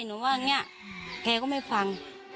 หนูว่าอย่างนี้แกก็ไม่ฟัง